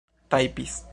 tajpis